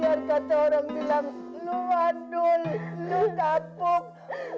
biar keterang bilang lu mandul lu gatuk